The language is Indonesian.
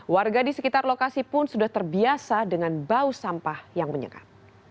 warga di sekitar lokasi pun sudah terbiasa dengan bau sampah yang menyengat